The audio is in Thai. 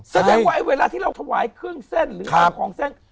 แสดงว่าเวลาที่เราถวายเครื่องเส้นหรือทำของเส้น